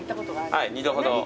はい２度ほど。